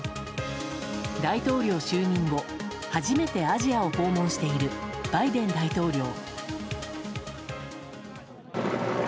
大統領就任後、初めてアジアを訪問しているバイデン大統領。